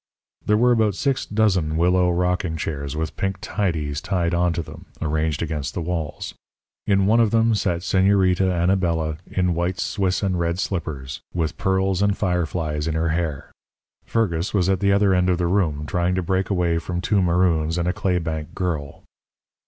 "There were about six dozen willow rocking chairs, with pink tidies tied on to them, arranged against the walls. In one of them sat Señorita Anabela in white Swiss and red slippers, with pearls and fireflies in her hair. Fergus was at the other end of the room trying to break away from two maroons and a claybank girl.